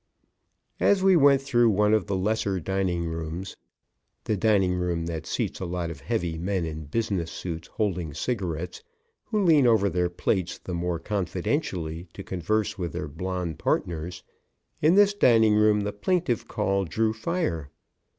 As we went through one of the lesser dining rooms, the dining room that seats a lot of heavy men in business suits holding cigarettes, who lean over their plates the more confidentially to converse with their blond partners, in this dining room the plaintive call drew fire.